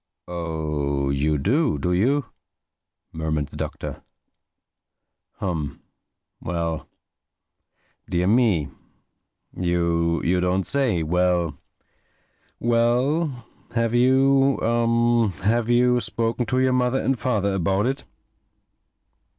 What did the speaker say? "Oh you do, do you?" murmured the Doctor. "Humph!—Well!—Dear me!—You don't say!—Well, well! Have you er—have you spoken to your mother and father about it?"